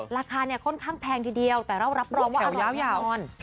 ราคาเนี่ยค่อนข้างแพงทีเดียวแต่เรารับรองว่าอร่อยแน่นอน